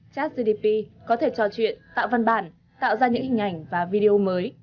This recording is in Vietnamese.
chat gdp có thể trò chuyện tạo văn bản tạo ra những hình ảnh và video mới